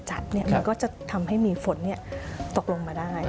มันก็จะทำให้มีฝนตกลงมาได้